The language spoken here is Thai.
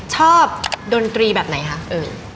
ชอบดนตรีแบบไหนคะ